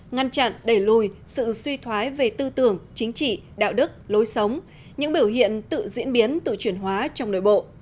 ngăn chặn đẩy lùi sự suy thoái về tư tưởng chính trị đạo đức lối sống những biểu hiện tự diễn biến tự chuyển hóa trong nội bộ